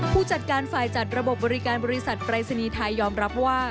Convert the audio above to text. ผู้จัดการฝ่ายจัดระบบบบริการบริษัทปรายศนีย์ไทยยอมรับว่า